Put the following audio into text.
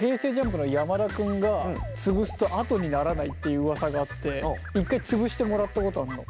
ＪＵＭＰの山田君が潰すと跡にならないっていううわさがあって一回潰してもらったことあんの。